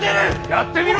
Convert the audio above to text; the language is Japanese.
やってみろ！